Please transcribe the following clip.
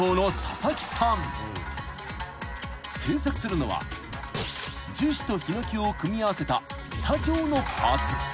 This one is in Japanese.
［制作するのは樹脂とヒノキを組み合わせた板状のパーツ］